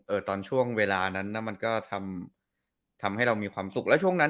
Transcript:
ตอนช่วงเวลานั้นน่ะมันก็ทำให้เรามีความสุขแล้วช่วงนั้น